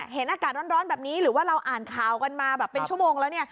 เห็นอากาศร้อนแบบนี้หรือว่าเราอ่านข่าวกันมาแบบเป็นชั่วโมงแล้ว